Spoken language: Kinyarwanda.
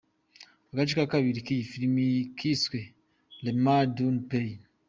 Agace ka kabiri k’iyi film kiswe ’Le mal d’un Pays’.